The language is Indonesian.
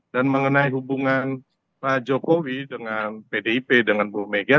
dan mengenai hubungan pak jokowi dengan pdip dengan bu megah